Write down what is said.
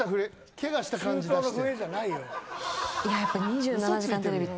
けがした感じ出してる。